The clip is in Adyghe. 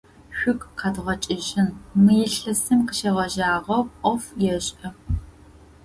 Шъугу къэдгъэкӏыжьын, мы илъэсым къыщегъэжьагъэу ӏоф ешӏэ.